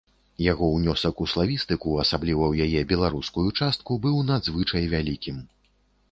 Яго ўнёсак у славістыку, асабліва ў яе беларускую частку, быў надзвычай вялікім.